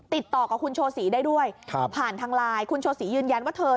ติดต่อกับคุณโชศรีได้ด้วยครับผ่านทางไลน์คุณโชศรียืนยันว่าเธอ